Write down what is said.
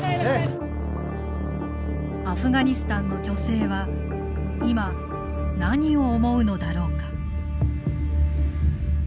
アフガニスタンの女性は今何を思うのだろうか。